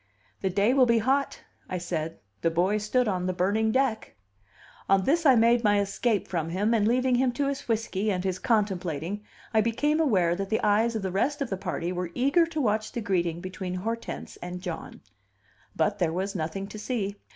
"The day will be hot," I said; "'The boy stood on the burning deck.'" On this I made my escape from him, and, leaving him to his whiskey and his contemplating, I became aware that the eyes of the rest of the party were eager to watch the greeting between Hortense and John. But there was nothing to see.